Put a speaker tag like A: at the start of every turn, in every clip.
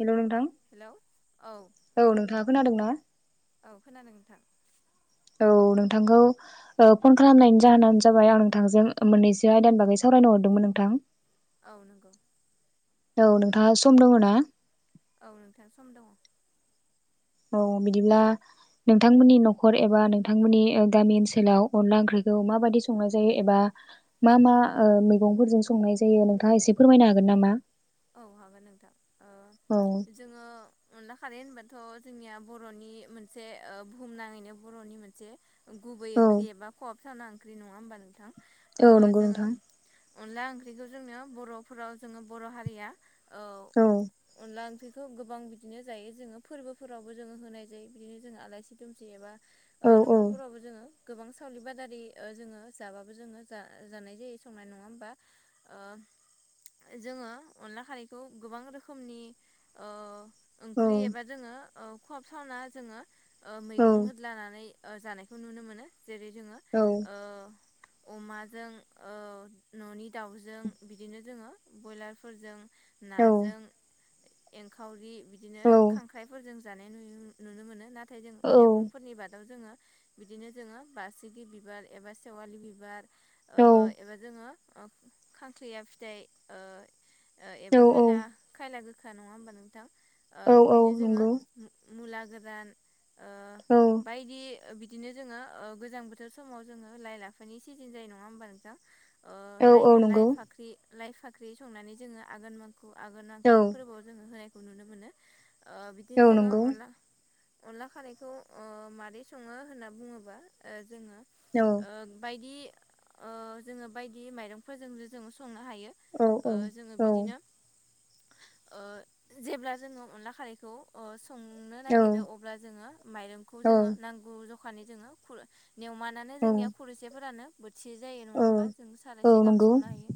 A: हेल' नोंथां
B: हेलौ औ।
A: औ नोंथाङा खोनादों ना
B: औ खोनादों नोंथां।
A: औ नोंथांखौ ओ फन खालामनायनि जाहोनानो जाबाय आं नोंथांजों मोननैसो आयदानि बागै सावरायनो हर दोंमोन नोंथां
B: औ नंगौ
A: औ नोंथाङा सम दङ ना?
B: औ नोंथां सम दं।
A: औ बिदिब्ला नोंथांमोननि न'खर एबा नोंथांमोननि गामि ओनसोलाव अनला ओंख्रिखौ माबायदि संनाय जायो एबा मा मा ओ मैगंफोरजों संनाय जायो नोंथाङा एसे फोरमायनो हागोन नामा?
B: औ हागोन नोंथां।
A: औ
B: जोङो अनला खानाय होनबा थ' जोंनिया बर'नि मोनसे बुहुमनाङैनो बर'नि मोनसे गुबै
A: औ
B: ओंख्रि एबा खहाब थावना ओंख्रि नङा होमबा नोंथां
A: औ नंगौ
B: जोङो
A: नोंथां
B: अनला ओंख्रिखौ जोङो बर'फोराव जोङो बर' हारिया ओ
A: औ
B: अनला ओंख्रिखौ गोबां बिदिनो जायो जोङो फोरबोफोरावबो जोङो होनाय जायो बिदिनो जोङो आलाायसि दुमसि एबा
A: औ औ
B: न'खरफोरावबो जोङो गोबां सावलि बादारि जोङो जाबाबो जोङो जा जानाय जायो संनाय नङा होमबा ओ जोङो अनला खारैखौ गोबां रोखोमनि ओ
A: औ
B: ओंख्रि एबा जोङो खाब सावना जोङो ओ
A: औ
B: मैगं होदलानानै जानायखौ नुनो मोनो जेरै जोङो
A: औ
B: ओ अमाजों न'नि दाउजों बिदिनो जोङो ब्रयलारफोरजों
A: औ
B: नाजों एंखावरि बिदिनो
A: औ
B: खांख्राइफोरजों जानाय नुयो नुनो मोनो नाथाय नाथाय जों मैगंफोरनि बादाव जोङो बिदिनो जोङो बासिगि बिबार एबा सेवालि बिबार ओ एबा जोङो खांखैया फिथाइ ओ ओ
A: औ
B: एबा खायला खायला गोखा नङा होमबा नोंथां ओ
A: औ औ
B: बिदिनो जोङो
A: नंगौ
B: मुला गोरान ओ
A: औ
B: बायदि बि बिदिनो जोङो गोजां बोथोर समाव जोङो लाइ लाफानि सिजोन जायो नङा होमबा नोंथां ओ
A: औ
B: लाइ
A: औ
B: लाइ
A: नंगौ
B: फाख्रि लाइ फाख्रि संनानै जोङो आगोन म खौ आगोल
A: औ
B: नांखो फोरबोआव जोङो होनायखौ नुनो मोनो
A: औ
B: बिदिनो जोङो
A: नंगौ
B: अनला अनला खारैखौ ओ मारै सङो होनना बुङोबा जोङो
A: औ
B: ओ बायदि ओ जोङो बायदि माइरंफोरजों जोङो संनो हायो
A: औ औ
B: ओ जोङो
A: औ
B: बिदिनो ओ जेब्ला जोङो अनला खारैखौ ओ संनो नागिरो अब्ला जोङो माइरंखौ
A: औ
B: जोङो नांगौ जखानि जोङो खुर नियमानो जोंनियाव
A: औ
B: खुरुसेफोरानो से जायो नङा
A: औ
B: होमबा जों
A: औ
B: सारायसे गाहाम
A: नंगौ
B: संनो हायो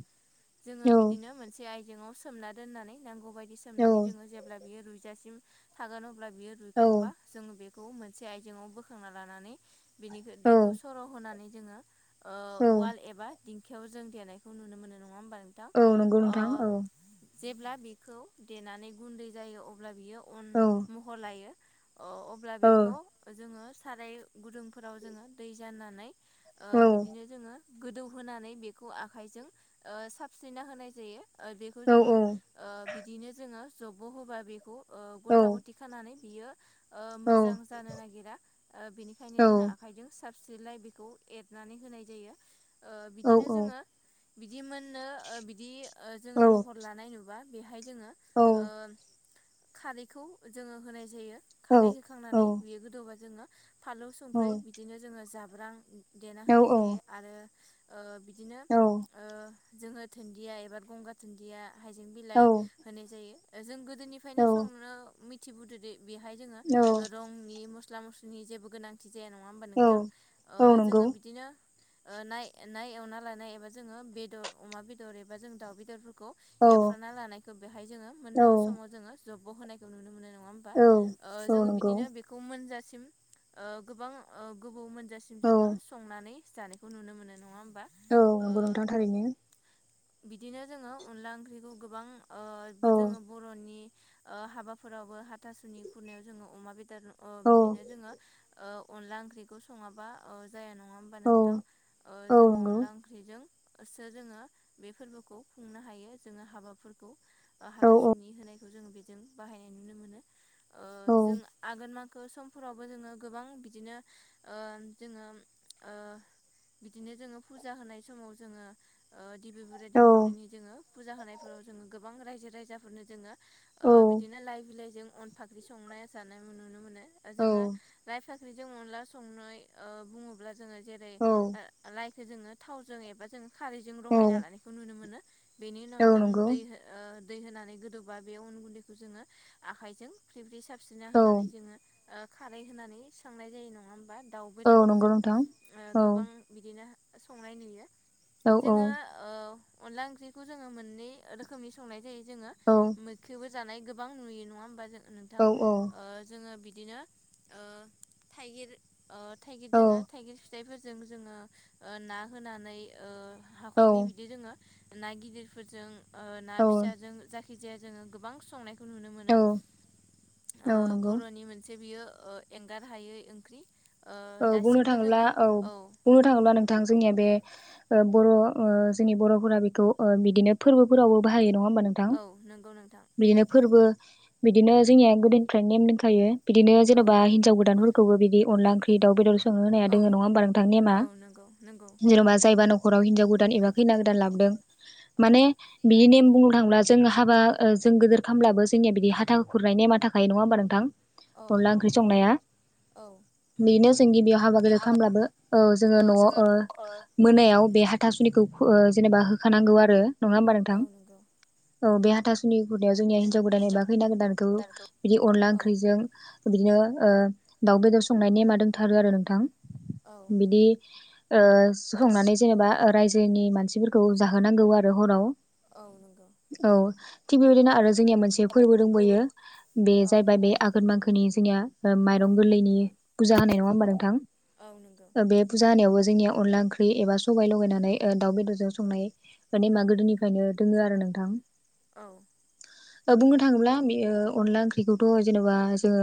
B: जोङो
A: औ
B: बिदिनो मोनसे आइजेंआव सोमना दोननानै नांगौ बायदि
A: औ
B: सनानै जोङो जे बियो रुजासिम थागोन अब्ला बियो
A: औ
B: रुइखांबा जों बेखौ मोनसे आइजेंआव बोखांना लानानै बिनि दैखौ
A: औ
B: सर' होनानै जोङो उवाल एबा दिंखियाव जों देनायखौ नुनो मोन नङा होमबा नोंथां
A: औ नंगौ नोंथां
B: ओ
A: औ
B: जेब्ला बिखौ देनानै गुन्दै जायो अब्ला बियो अन
A: औ
B: महर लायो अ अब्ला
A: औ
B: बेखौ जोङो साराय गुदुंफोराव जोङो दै जाननानै ओ
A: औ
B: बिदिनो जोङो गोदौहोनानै बेखौ आखाइजों ओ सा साबस्रिना होनाय जायो ओ बेखौ
A: औ
B: जोङो ओ बिदिनो जोङो जबब'' होबा बेखौ ओ
A: औ
B: गथा गथि खानानै बियो ओ मोजां जानो नागिरा ओ बेनिखायनो जों आखाइजों साबसेलाय बेखौ एरनानै होनाय जायो ओ बिदिनो जोङो बिदि मोननो ओ बिदि जोङो
A: औ
B: महर लानाय नुबा बेहाय जोङो ओ खारैखौ जोङो होनाय जायो खारै
A: औ
B: होखांनानै बियो गोदौबा जोङो फालौ संख्रि बिदिनो जोङो जाब्रां देना होनाय जायो आरो ओ बिदिनो ओ जोङो दुन्दिया एबा गंगार दुनदिया हाइजें बिलाइ होनाय जायो जों गोदोनिफ्रायनो संनो मिथिबोदोदि बेहाय जोङो रंनि मस्ला मस्लिनि जेबो गोनांथि जाया नङा हबा
A: औ औ
B: नोंथाङा
A: नंगौ
B: जोङो बिदिनो नाय नाय एवना लानाय एबा जोङो बेदर अमा बेदर एबा जों दाउ बेदरफोरखौ खौ
A: औ
B: एवफ्रा लानायखौ बेहाय जोङो
A: औ
B: मोननो समाव जोङो जबब' होनायखौ नुनो मोनो ना नङा होमबा
A: औ
B: ओ
A: औ
B: जों
A: नंगौ
B: बिदिनो बेखौ मोनजासिम ओ गोबां ओ गोबाव मोनजासिम
A: औ
B: जासिम जोङो संनानै जानायखौ नुनो मोनो नङा
A: औ नंगौ
B: ओ
A: नोंथां थारैनो।
B: बिदिनो जोङो अनला ओंख्रिखौ गोबां ओ
A: औ
B: बो जोङो बर'नि ओ हाबाफोरावबो हाथासुनि खुरनायाव जोङो अमा बेदर ओ
A: औ
B: बिदिनो जोङो ओ अनला ओंख्रिखौ सङाबा अ जाया नङा होमबा नोंथां
A: औ
B: ओ
A: औ
B: जोङो
A: नंगौ
B: अनला ओंख्रिजों सो जोङो बे फोरबोखौ खुंनो हायो जोङो हाबाफोरखौ। ओ
A: औ औ
B: हाथासुनि होनायखौ जो बेजों बाहायनाय नुनो मोनो ओ
A: औ
B: जों आगोन मां खो समफोरावबो जोङो गोबां बिदिनो ओ जोङो ओ बिदिनो जोङो फुजा होनाय समाव जोङो ओ देबि बुरि देबि बुरिनि जोङो फुजा होनायफोराव जोङो गोबां रायजो राजाफोरनो जोङो ओ
A: औ
B: बिदिनो लाइ बिलाइजों अन फाख्रि संनाय जानाय नुनो मोनो। ओ
A: औ
B: जोङो लाइ फाख्रिजों अनला संनाय ओ बुङोब्ला जोङो जेरै ओ लाइखो जोङो थावजों एबा जों खारैजों
A: औ
B: रहायना लानायखौ नुनो मोनो। बेनि उनाव
A: औ
B: जों
A: नंगौ
B: दै हो ओ दै होनानै गोदौबा बे अन गुन्दैखौ जोङो आखाइजों फ्रि फ्रि सार स्रिना
A: औ
B: होनानै जोङो ओ खारै होनानै संनाय जायो नङा होमबा। दाउ
A: औ नंगौ
B: बेदरफोरजों
A: नोंथां
B: ओ
A: औ
B: गोबां बिदिनो संनाय नुयो।
A: औ औ
B: जोङो ओ अनला ओंख्रिखौ जोङो मोननै रोखोमनि संनाय जायो। जोङो
A: औ
B: मोखिबो जानाय गोबां नुयो नङा होमबा [unintelligible] नोंथां
A: औ
B: ओ जोङो बि दिनो ओ थाइगिर ओ थाइगिर दोङो
A: औ
B: थाइगिर फि थाइफोरजों जोङो ओ ना होनानै ओ हाखरनि बिदि दोङो ना गिदिरफोरजों ओ ना फिसाजों जायखि जाया जोङो गोबां संनाय नुनो मोनो ओ
A: औ नंगौ
B: बर'नि मोनसे बियो ओ एंगार हायै ओंख्रि। ओ
A: औ बुंनो
B: दासिमबो
A: थाङोब्ला
B: जोङो
A: औ बुंनो थाङोब्ला नोंथां जोंनिया बे ओ बर' ओ जोंनि बर'फोरा बेखौ ओ बिदिनो फोरबोफोरावबो बाहायो। नङा होमबा नोंथां?
B: औ नंगौ नोंथां
A: बिदिनो फोरबो बिदिनो जोंनिया गोदोनिफ्राय नेम दोंखायो। बिदिनो
B: औ
A: जेनेबा हिन्जाव गोदानफोरखौबो बिदि अनला ओंख्रि दाउ बेदर संनो होनाया
B: औ
A: दोङो नङा होमबा नोंथां नेमा।
B: औ नंगौ नंगौ
A: जेन'बा जायबा न' खराव हिनजाव गोदान एबा खैना गोदान लाबोदों
B: औ
A: माने बिनि नेम बुंनो थाङोब्ला जों हाबा ओ जों गोदोर खामब्लाबो जोंनिया बिदि हाथा खुरनाय नेमा थाखायो नङा होनबा नोंथां।
B: औ
A: अनला ओंख्रि संनाया।
B: औ
A: बेनो जों गिबियाव हाबा
B: बेयाव
A: गोदोर
B: हाबाखौ
A: खामब्लाबो ओ जोङो न'आव ओ
B: जोङो
A: मोनायाव बे हा थासुनिखौ ओ जेनेबा होखानांगौ आरो नङा होमबा नोंथां?
B: ओ हिनजाव
A: औ बे हाथासुनि [unintelligible] जोंनिया हिनजाव गोदान एबा खैना गोदानखौ बिदि अनला
B: औ
A: ओंख्रैजों बिदिनो ओ दाउ बेदर संनाय नेमा दोंथारो आरो नोंथां। बिदि ओ संनानै जेनेबा ओ रायजोनि मानसिफोरखौ जाहोनांगौ आरो हराव।
B: औ नंगौ।
A: औ थिग बेबायदिनो आरो जोंनिया मोनसे फोरबो दोंब'यो बे
B: औ
A: जाबाय बे आघोन मांखो नि जोंनिया माइरं गोरलैनि फुजा होनाय नङा होमबा नोंथां।
B: औ नंगौ
A: ओ बे फुजा होनायावबो जोंनियाव अनला ओंख्रि एबा सबाय लगायनानै ओ दाउ बेदरजों संनाय नेमा गोदोनिफ्रायनो दोङो आरो नोंथां।
B: औ।
A: ओ बुंनो थाङोब्ला बेयो अनला ओंख्रिखौथ' जेनेबा जोङो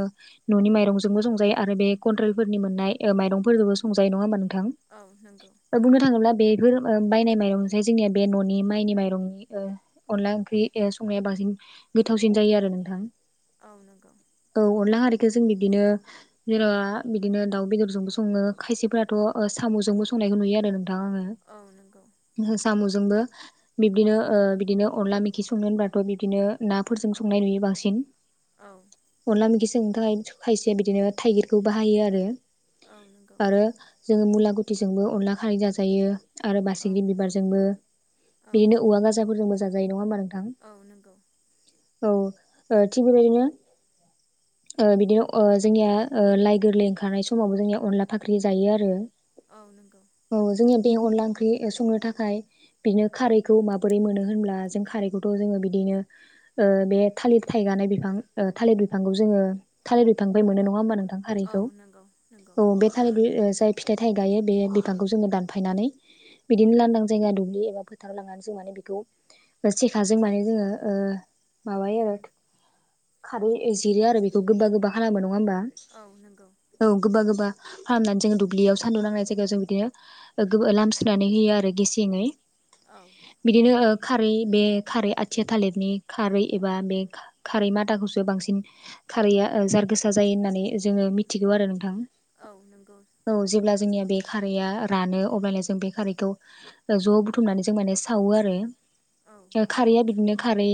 A: न'नि माइरंजोंबो संजायो आरो बे कन्ट्रेलफोरनि मोननाय ओ माइरंफोरखौबो संजायो नङा होमबा नोंथां।
B: नंगौ
A: ओ बुंनो थाङोब्ला बेफोर ओ बायनाय माइरंसाय जोंनिया बे न'नि माइनि माइरंनि ओ अनला ओंख्रि ओ संनाया बां सिन गोथावसिन जायो आरो नोंथां।
B: औ नंगौ।
A: बेखौ जों बिदिनो जेनबा बिदिनो दाउ बेदरजोंबो सङो खायसेफ्राथ' ओ साम'जोंबो संनायखौ नुयो आरो
B: नंगौ
A: नों [unintelligible] साम' जोंबो बिब्दिनो बिदिनो अनला मेखि संनो होनब्लाथ' बिब्दिनो नाफोरजों संनाय नुयो बांसिन।
B: औ
A: अनला मेखि संनो थाखाय खायसे बिदिनो थाइगिरखौ बाहायो आरो
B: औ नंगौ
A: आरो जोङो मुला गुथिजोंबो अनला खारै जाजायो। आरो
B: औ
A: बासिग्रि बिबारजोंबो
B: औ
A: बिदिनो औवा गाजाफोरजोंबो जाजायो नङा होम्बा
B: औ नंगौ।
A: औ थिग बेबायदिनो बिदिनो जोंनिया लाइक गोरलै ओंखारनाय समावबो जोंनिया अनला फाख्रि जायो आरो
B: औ नंगौ।
A: औ जोंनिया बे अनला ओंख्रि संनो थाखाय बिदिनो खारैखौ माबोरै मोनो होनब्ला जों खारैखौथ' जोङो बिदिनो ओ बे थालिर थाइगा गांनाय बिफां ओ थालिर बिफांखौ जोङो थालिर बिफांनिफ्राय मोनो नङा होनबा नोंथां?
B: नंगौ नंगौ
A: [unintelligible] औ बे थालि बि ओ जाय फिथाइ थाइगायो बे बिफांखौ जोङो दानफायनानै बिदिनो लांदां जायगा दुब्लि एबा फोथाराव लांनानै जों माने बेखौ सेखाजों माने जोङो ओ माबायो आरो खारै जिरो आरो बेखौ गोबा-गोबा खालामो नङा होम्बा?
B: औ नों
A: औ गोबा-गोबा खालामनानै जोङो दुब्लियाव सान्दुं लांनाय जायगायाव जों बिदिनो ओ लामस्रिनानै होयो आरो गेसेङै।
B: औ
A: बिदिनो ओ खारै बे खारै आथिया थालिरनि खारै एबा मे खारै माथाखौसो बांसिन खारैया जार गोसा जायो होननानै जोङो मिथिगौ आरो नोंथां।
B: औ नंगौ।
A: औ जेब्ला जोंनिया बे खारैया रानो अब्लानो जों बे खारैखौ ज' बुथुमनानै जों माने सावो आरो
B: औ
A: खारैया बिदिनो खारै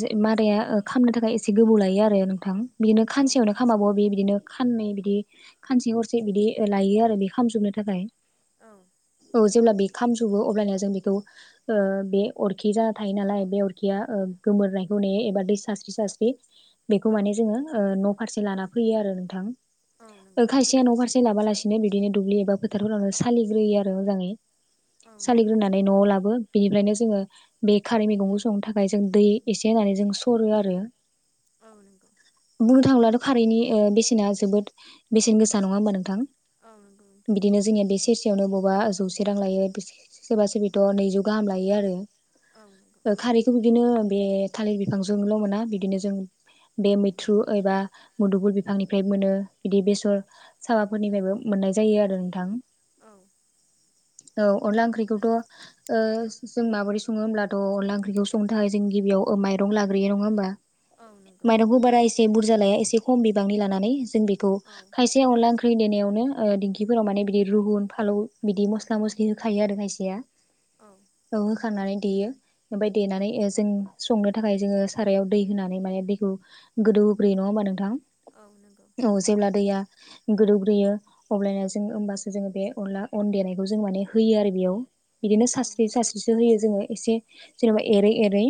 A: जो मादाया खालामनो थाखाय एसे गोबौ लायो आरो नोंथां। बिदिनो खानसेयावनो खामाबो बे बिदिनो खाननै बिदि खानसे हरसे बिदि लायो आरो बे खामजोबनो थाखाय।
B: औ।
A: औ जेब्ला बे खामजोबो अब्लानिया जों बेखौ ओ बे अरखि जाना थायो नालाय बे अरखिया ओ गोमोरनायखौ नेयो एबा दै सास्रि-सास्रि बेखौ माने जोङो ओ न' फारसे लाना फैयो आरो नोंथां।
B: नंगौ औ
A: ओ
B: नंगौ
A: खायसेया न' फारसे लाबोआलासिनो बिदिनो दुब्लि एबा फोथारफोरावनो सालिग्रोयो आरो मोजाङै।
B: औ नंगौ
A: सालिग्रोनानै न'आव लाबो। बेनिफ्रायनो जोङो बे खारै मैगंखौ संनो थाखाय जों दै एसे होनानै जों सरो आरो
B: औ नांगौ।
A: बुंनो थाङोब्लाथ' खारैनि बेसेना जोबोद बेसेन गोसा नङा होम्बा नोंथां?
B: नोंथां
A: बिदिनो जोंनिया बे सेरसेयावनो बबा जौसे रां लायो सोरबा सोबिथ' नैजौ गाहाम लायो आरो।
B: औ नंगौ
A: खारैखौ बिदिनो बे थालिर बिफांजोंल' मोना बिदिनो जों बे मैथ्रु एबा मुदुगुल बिफांनि ओमफ्राय मोनो बिदि बेसर साबाफोरनिफ्रायबो मोननाय जायो आरो नोंथां।
B: औ।
A: औ अनला ओंख्रिखौथ' ओ जों माबोरै सङो होमब्लाथ' अनला ओंख्रिखौ संनो थाखाय जों गिबियाव माइरं लाग्रोयो नङा होम्बा?
B: नंगौ
A: माइरंखौ बारा एसे बुरजा लाया एसे खम बिबांनि लानानै जों बे खौ
B: औ
A: खायसे अनला ओंख्रि देनायावनो ओ दिंखिफोराव माने बिदि रुहुन फालौ बिदि मस्ला-मस्लि होखायो आरो खायसेया। औ होखांनानै देयो ओमफ्राय देनानै ओ संनो थाखाय जोङो सारायाव दै होनानै माने दैखौ गोदौ होग्रोयो नङाओमबा नोंथां?
B: औ नों
A: औ जेब्ला दैया गोदौग्रोयो अब्लानिया जों ओमबासो जोङो बे अनला अन देनायखौ जों माने होयो आरो बेयाव। बिदिनो सास्रि सास्रिसो होयो जोङो एसे जेनेबा एरै एरै।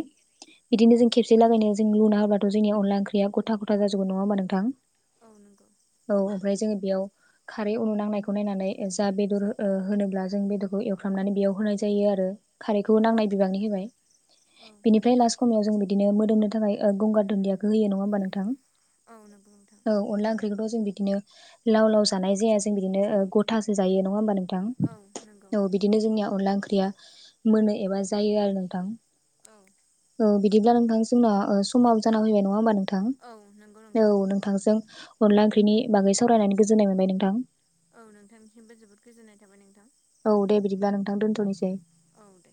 B: औ
A: बिदिनो जों खेबसे लागायनो जों लुना होबाथ' जोंनि अनला ओंख्रिया गथा गथा जाजोबो नङा होमबा नोंथां?
B: औ नंगौ।
A: औ ओमफ्राय जोङो बेयाव खारै उनु नांनायखौ नायनानै जा बेदर ओ होनोब्ला जों बेदरखौ एवफ्रामनानै बेयाव होनाय जायो आरो खारैखौ नांनाय बिबांनि होबाय
B: औ औ
A: बिनिफ्राय लास्ट समायाव जों बिदिनो मोदोमनो थाखाय गंगार दुन्दियाखौ होयो नङा होनोमबा नोंथां
B: औ नंगौ नोंथां
A: औ अनला ओंख्रिखौथ' जों बिदिनो लाव लाव जानाय जाया जों बिदिनो ग'थासो जायो नङा होमबा नों थां
B: नंगौ
A: औ बिदिनो जोंनिया अनला ओंख्रिया मोनो एबा जायो आरो नोंथां
B: औ
A: औ बिदिब्ला नोंथां जोंना समाव जाना फैबाय नङा होमबा नों
B: औ नंगौ नोंथां
A: अनला ओंख्रिनि बागै सावरायनानै गोजोननाय मोनबाय नोंथां
B: औ नोंथांनिसिमबो जोबोद गोजोननाय थाबाय नोंथां
A: औ दे बिदिब्ला नोंथां दोनथ'नोसै
B: औ दे